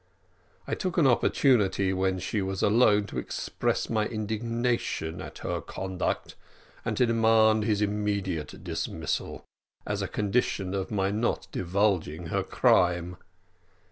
I took an opportunity when she was alone to express my indignation at her conduct, and to demand his immediate dismissal, as a condition of my not divulging her crime.